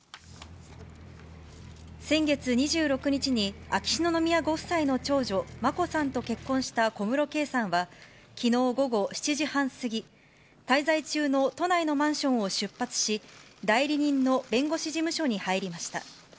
先月２６日に、秋篠宮ご夫妻の長女、眞子さんと結婚した小室圭さんは、きのう午後７時半過ぎ、滞在中の都内のマンションを出発し、代理人の弁護士事務所に入りました。